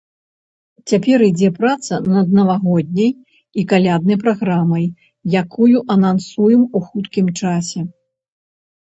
Цяпер ідзе праца над навагодняй і каляднай праграмай, якую анансуем у хуткім часе.